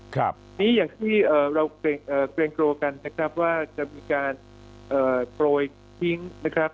ครับนี่อย่างที่เราเกรงโกรธ์กันนะครับว่าจะมีการโปรดชิงนะครับ